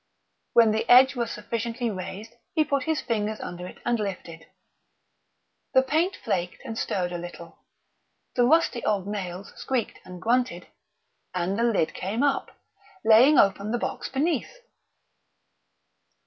When the edge was sufficiently raised he put his fingers under it and lifted. The paint flaked and starred a little; the rusty old nails squeaked and grunted; and the lid came up, laying open the box beneath.